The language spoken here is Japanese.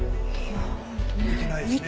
見てないですね。